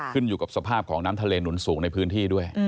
ขึ้นอยู่กับสภาพของน้ำทะเลหนุนสูงในพื้นที่ด้วย